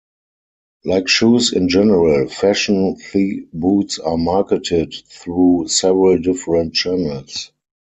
Like shoes in general, fashion thigh boots are marketed through several different channels.